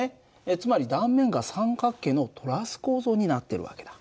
つまり断面が三角形のトラス構造になってる訳だ。